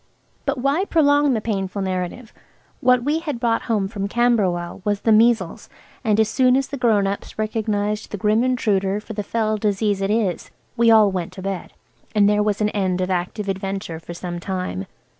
But why prolong the painful narrative? What we had brought home from Camberwell was the measles, and as soon as the grown ups recognised the Grim Intruder for the fell disease it is we all went to bed, and there was an end of active adventure for some time.